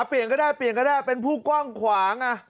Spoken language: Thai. เปลี่ยนก็ได้เปลี่ยนก็ได้เป็นผู้กว้างขวาง